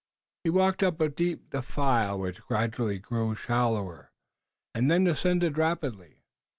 He walked up a deep defile which gradually grew shallower, and then ascended rapidly.